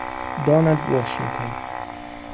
Donald Washington